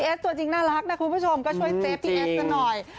ตัวจริงน่ารักนะคุณผู้ชมก็ช่วยเซฟพี่เอสซะหน่อย